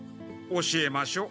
教えましょう。